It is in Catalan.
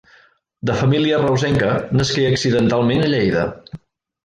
De família reusenca, nasqué accidentalment a Lleida.